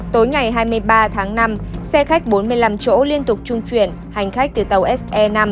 tối ngày hai mươi ba tháng năm xe khách bốn mươi năm chỗ liên tục trung chuyển hành khách từ tàu se năm